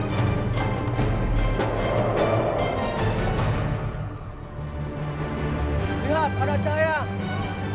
tidak tidak ada cahaya